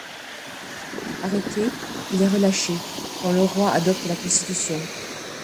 Arrêté, il est relâché quand le roi adopte la Constitution.